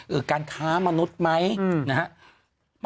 เออการท้ามนุษย์ไหมนะฮะ